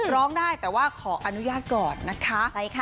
ร้องได้แต่ว่าขออนุญาตก่อนนะคะ